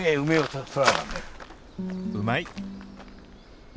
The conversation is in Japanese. うまい！